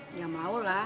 enggak mau lah